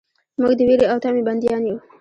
موږ د ویرې او طمعې بندیان یو.